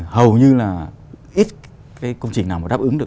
hầu như là ít cái công trình nào mà đáp ứng được